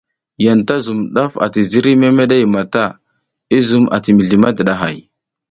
Yanta zun daf ati ziriy memede mata, i zum a ti mizli madidahay.